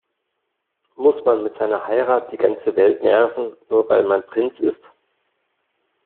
Muss man mit seiner Heirat die ganze Welt nerven, nur weil man Prinz ist?